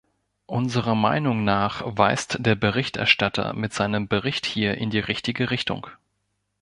Unserer Meinung nach weist der Berichterstatter mit seinem Bericht hier in die richtige Richtung.